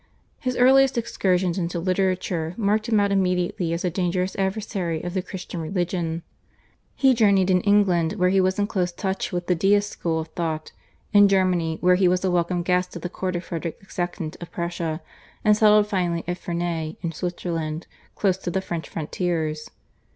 His earliest excursions into literature marked him out immediately as a dangerous adversary of the Christian religion. He journeyed in England where he was in close touch with the Deist school of thought, in Germany where he was a welcome guest at the court of Frederick II. of Prussia, and settled finally at Ferney in Switzerland close to the French frontiers.